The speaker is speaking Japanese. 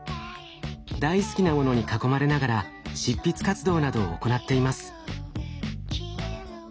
大好きなものに囲まれながら執筆活動などを行っています。